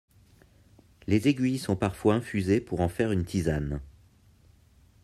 Les aiguilles sont parfois infusées pour en faire une tisane.